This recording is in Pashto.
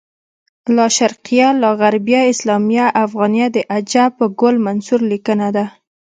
لاشرقیه لاغربیه اسلامیه افغانیه د عجب ګل منصور لیکنه ده